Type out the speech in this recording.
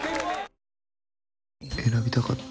選びたかった？